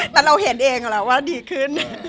แต่เราเห็นเองแล้วว่าดีขึ้น